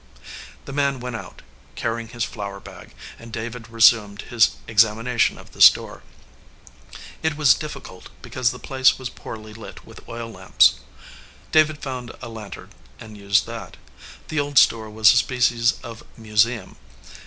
The man went out, carrying his flour bag, and David resumed his examination of the store. It was difficult, because the place was poorly lit with oil lamps. David found a lantern, and used that. The old store was a species of museum.